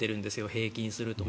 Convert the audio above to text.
平均すると。